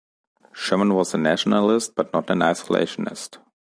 Sherman was a nationalist, but not an isolationist.